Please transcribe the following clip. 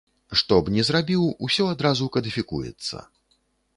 Што б ні зрабіў, усё адразу кадыфікуецца.